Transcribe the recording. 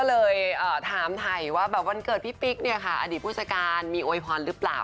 ก็เลยถามไทยว่าแบบวันเกิดพี่ปิ๊กเนี่ยค่ะอดีตผู้จัดการมีโอยพรหรือเปล่า